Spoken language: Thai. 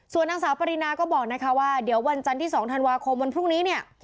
ส่วนนางสาวปรินาก็บอกนะคะว่าเดี๋ยววันจันทร์ที่๒ธันวาคมวันพรุ่งนี้เนี่ย